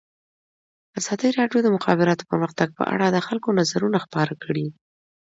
ازادي راډیو د د مخابراتو پرمختګ په اړه د خلکو نظرونه خپاره کړي.